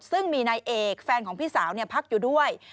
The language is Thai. ซึ่งมีนายเอกแฟนของพี่สาวพักอยู่ด้วย